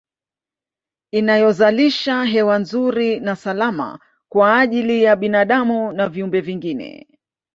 Inayozalisha hewa nzuri na salama kwa ajili ya binadamu na viumbe vingine